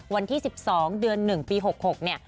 วันที่๑๒เดือน๑ปี๖๖